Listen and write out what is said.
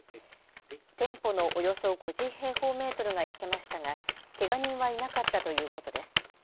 店舗のおよそ５０平方メートルが焼けましたが、けが人はいなかったということです。